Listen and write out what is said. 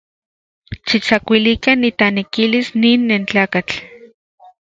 Xiktsakuilikan itanekilis nin nentlakatl.